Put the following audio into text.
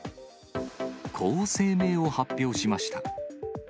こう声明を発表しました。